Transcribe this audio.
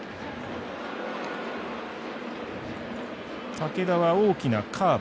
武田は大きなカーブ。